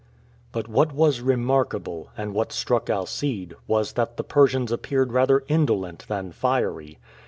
But what was remarkable, and what struck Alcide, was that the Persians appeared rather indolent than fiery.